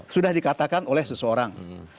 sudah dikatakan oleh seseorang